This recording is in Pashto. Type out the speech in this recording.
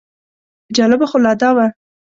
جالبه خو لا دا وه.